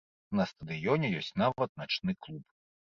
На стадыёне ёсць нават начны клуб.